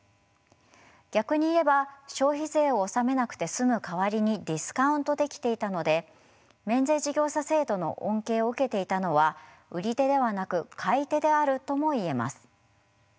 逆に言えば消費税を納めなくて済む代わりにディスカウントできていたので免税事業者制度の恩恵を受けていたのは売り手ではなく買い手であるとも言えます。